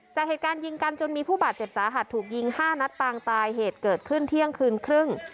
จากเหตุการณ์ยิงกันจนมีผู้บาดเจ็บสาหัสถูกยิง๕นัดปางตายเหตุเกิดขึ้นเที่ยงคืนครึ่ง